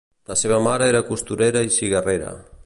La seva mare era costurera i cigarrera.